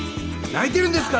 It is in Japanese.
泣いてるんですか？